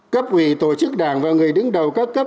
cấp ủy tổ chức đảng và người đứng đầu các cấp